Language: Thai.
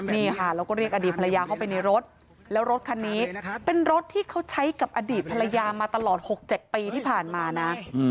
นี่ค่ะแล้วก็เรียกอดีตภรรยาเข้าไปในรถแล้วรถคันนี้เป็นรถที่เขาใช้กับอดีตภรรยามาตลอด๖๗ปีที่ผ่านมานะ